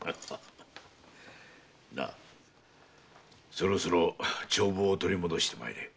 そろそろ帳簿を取り戻してまいれ。